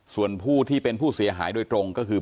ส่วนผู้ที่เป็นผู้เสียหายโดยตรงก็คือ